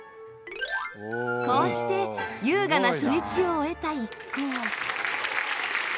こうして優雅な初日を終えた一行。